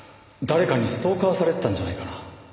誰かにストーカーされてたんじゃないかな？